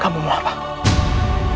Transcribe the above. kamu mau membunuh aku anggra ini